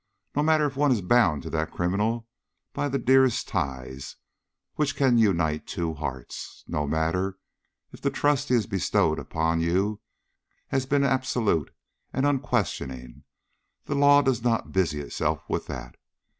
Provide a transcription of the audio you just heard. No matter if one is bound to that criminal by the dearest ties which can unite two hearts; no matter if the trust he has bestowed upon you has been absolute and unquestioning, the law does not busy itself with that.